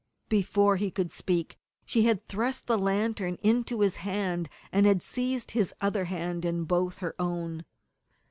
Before he could speak she had thrust the lantern into his hand, and had seized his other hand in both her own.